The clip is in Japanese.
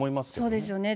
そうですよね。